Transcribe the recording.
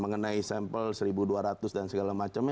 mengenai sampel seribu dua ratus dan segala macamnya